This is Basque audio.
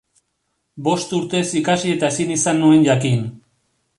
Bost urtez ikasi eta ezin izan nuen jakin.